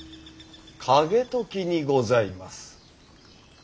景時にございます。